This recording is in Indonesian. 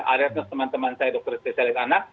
alertness teman teman saya dokter stesialis anak